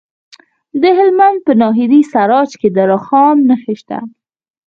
د هلمند په ناهري سراج کې د رخام نښې شته.